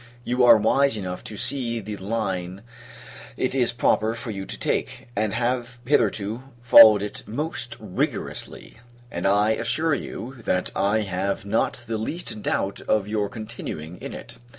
You are wise enough to see the line it is proper for you to take; and have, hitherto, followed it most rigorously: and I can assure you, that I have not the least doubt of your continuing in it.